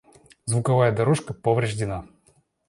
Звуковая дорожка повреждена.